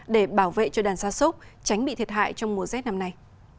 để bảo vệ cho đàn xa xúc tránh bị thiệt hại trong mùa z năm nay